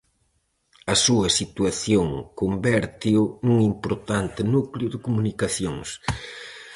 A súa situación convérteo nun importante núcleo de comunicacións.